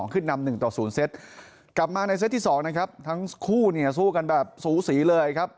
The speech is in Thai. ขึ้นนำ๑ต่อ๐เซตกลับมาในเซตที่๒นะครับทั้งคู่เนี่ยสู้กันแบบสูสีเลยครับ